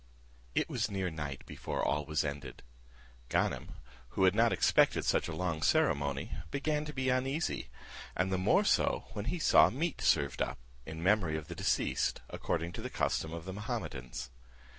It was near night before all was ended: Ganem who had not expected such a long ceremony, began to be uneasy, and the more so, when he saw meat served up, in memory of the deceased, according to the custom of the Mahummedans.